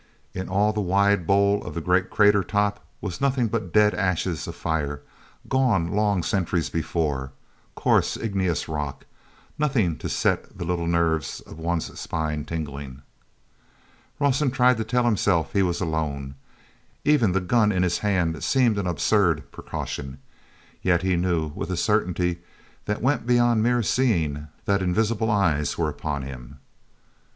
In all the wide bowl of the great crater top was nothing but dead ashes of fires gone long centuries before, coarse, igneous rock—nothing to set the little nerves of one's spine to tingling. Rawson tried to tell himself he was alone. Even the gun in his hand seemed an absurd precaution. Yet he knew, with a certainty that went beyond mere seeing, that invisible eyes were upon him.